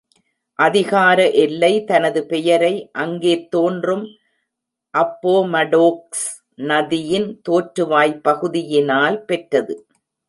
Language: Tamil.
அதிகார எல்லை தனது பெயரை அங்கேத் தோன்றும் அப்போமடோக்ஸ் நதியின் தோற்றுவாய் பகுயினால் பெற்றது.